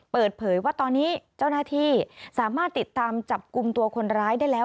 เปิดเผยว่าตอนนี้เจ้าหน้าที่สามารถติดตามจับกลุ่มตัวคนร้ายได้แล้ว